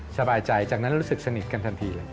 สบายใจจากนั้นรู้สึกสนิทกันทันทีเลย